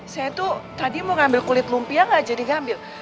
saya tuh tadi mau ngambil kulit lumpia gak jadi ngambil